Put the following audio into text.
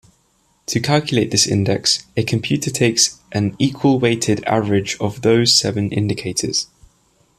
To calculate this index, a computer takes an equal-weighted average of those seven indicators.